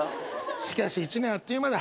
しかし１年あっという間だ。